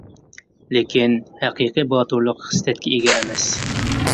لېكىن، ھەقىقىي باتۇرلۇق خىسلەتكە ئىگە ئەمەس.